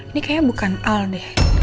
ini kayaknya bukan al deh